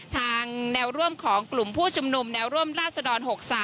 แนวร่วมของกลุ่มผู้ชุมนุมแนวร่วมราศดร๖๓